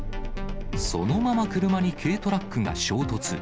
そのまま車に軽トラックが衝突。